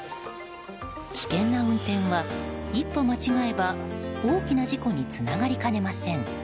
危険な運転は、一歩間違えば大きな事故につながりかねません。